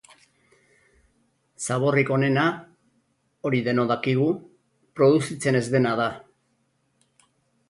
Zaborrik onena, hori denok dakigu, produzitzen ez dena da.